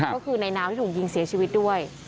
ก็คือในนาวที่ถูกยิงเสียชีวิตด้วย